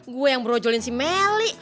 gue yang brojolin si meli